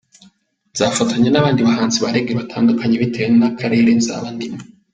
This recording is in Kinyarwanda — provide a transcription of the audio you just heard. Nzafatanya n’abandi bahanzi ba Reggae batandukanye, bitewe n’akarere nzaba ndimo.